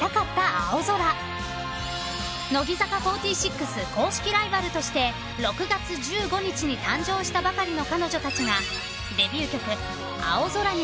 ［乃木坂４６公式ライバルとして６月１５日に誕生したばかりの彼女たちが］